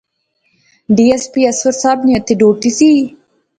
ڈی ایس پی اصغر صاحب نی ایتھیں ڈیوٹی سی